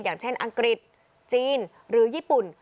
อย่างเช่นอังกฤษจีนหรือญี่ปุ่น